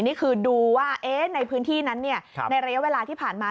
นี่คือดูว่าในพื้นที่นั้นในระยะเวลาที่ผ่านมา